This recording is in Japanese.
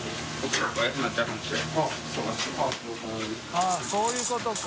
あっそういうことか。